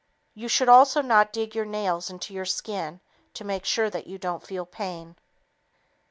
_ You should also not dig your nails into your skin to make sure that you don't feel pain.